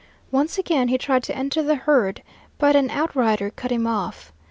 Once again he tried to enter the herd, but an outrider cut him off.